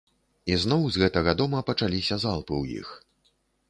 І зноў з гэтага дома пачаліся залпы ў іх.